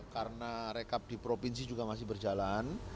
karena rekap di provinsi juga masih berjalan